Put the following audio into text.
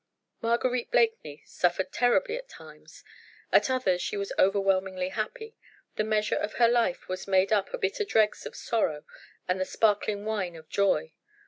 Marguerite Blakeney suffered terribly at times at others she was overwhelmingly happy the measure of her life was made up of the bitter dregs of sorrow and the sparkling wine of joy!